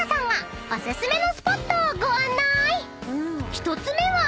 ［１つ目は］